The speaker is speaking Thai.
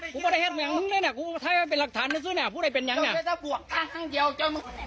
กูไม่ได้เห็นแม่งนึงเลยนะถ้าเป็นรักฐานนี้ซึ่งนะพูดได้เป็นยังอย่างเนี่ย